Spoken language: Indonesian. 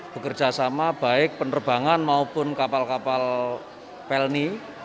bekerjasama baik penerbangan maupun kapal kapal pelni